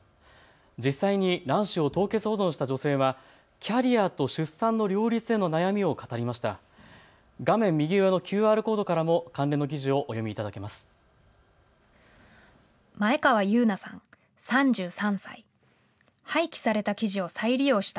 実際に卵子を凍結保存した女性はキャリアと出産の両立への悩みを語りました。